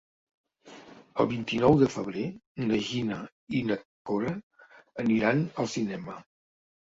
El vint-i-nou de febrer na Gina i na Cora aniran al cinema.